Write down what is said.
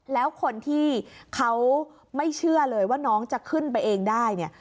แล้วคนที่เขาไม่เชื่อเลยว่าน้องจะขึ้นไปเองได้เนี่ย